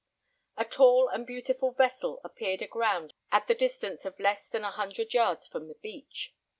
A tall and beautiful vessel appeared aground at the distance of less than a hundred yards from the beach.